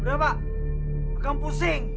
udah pak akan pusing